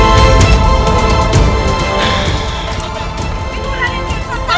raden kian santang